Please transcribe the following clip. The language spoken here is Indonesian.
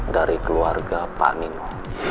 dari keluarga pak nino